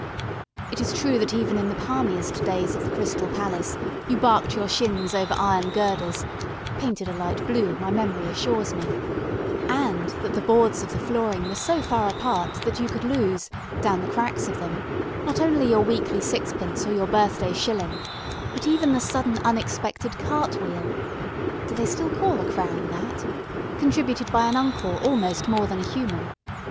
It is true that even in the palmiest days of the Crystal Palace you barked your shins over iron girders painted a light blue, my memory assures me and that the boards of the flooring were so far apart that you could lose, down the cracks of them, not only your weekly sixpence or your birthday shilling, but even the sudden unexpected cartwheel (do they still call a crown that?) contributed by an uncle almost more than human.